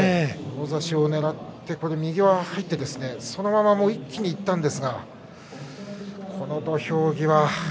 もろ差しをねらって右が入ってそのまま一気にいったんですがこの土俵際。